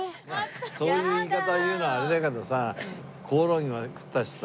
そういう言い方言うのはあれだけどさコオロギまで食ったしさ。